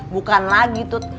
bukan lagi tut